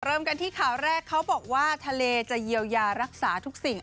เริ่มกันที่ข่าวแรกเขาบอกว่าทะเลจะเยียวยารักษาทุกสิ่ง